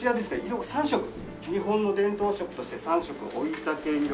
色が３色日本の伝統色として３色老竹色薄蘇芳色